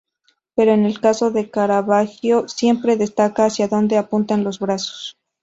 Pero en el caso de Caravaggio siempre destaca hacia dónde apuntan los brazos.